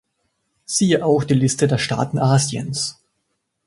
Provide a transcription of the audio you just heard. Siehe auch die Liste der Staaten Asiens.